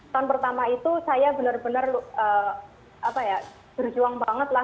tahun pertama itu saya benar benar berjuang banget lah